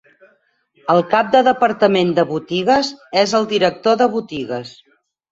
El cap del departament de botigues es el director de botigues.